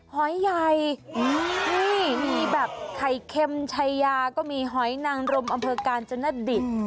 หอยใหญ่นี่มีแบบไข่เค็มชายาก็มีหอยนางรมอำเภอกาญจนดิต